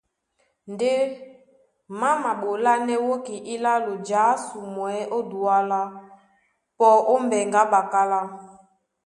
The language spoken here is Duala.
Ndé má maɓolánɛ́ wóki ílálo jǎsumwɛ́ ó Duala, pɔ ó mbɛŋgɛ a ɓakálá.